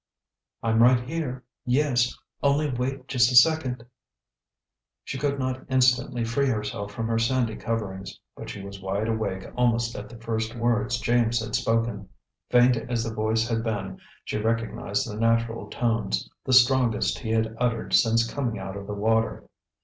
"I'm right here, yes; only wait just a second." She could not instantly free herself from her sandy coverings, but she was wide awake almost at the first words James had spoken. Faint as the voice had been, she recognized the natural tones, the strongest he had uttered since coming out of the water.